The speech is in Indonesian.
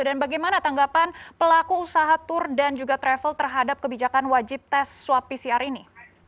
dan bagaimana tanggapan pelaku usaha tur dan juga travel terhadap kebijakan wajib tes swab pcr ini